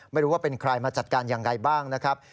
ไม่รู้ว่าเป็นใครมาจัดการอย่างไรบ้างนะครับ